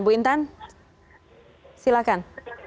bu intan silakan